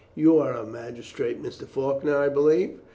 "You are a magistrate, Mr. Faulkner, I believe?"